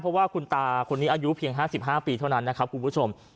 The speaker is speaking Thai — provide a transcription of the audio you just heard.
เพราะว่าคุณตาคนนี้อายุเพียง๕๕ปีเท่านั้นนะครับคุณผู้ชม